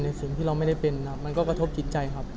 สิ่งที่เราไม่ได้เป็นมันก็กระทบจิตใจครับ